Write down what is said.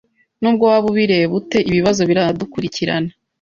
Nubwo waba ubireba ute, ibibazo biradukurikirana.